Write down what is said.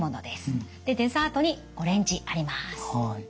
でデザートにオレンジあります。